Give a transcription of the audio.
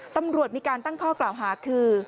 ตำรวจมีการตั้งข้อกล่าวหาคือ